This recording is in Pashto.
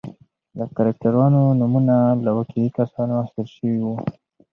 کرکټرونو نومونه له واقعي کسانو اخیستل شوي و.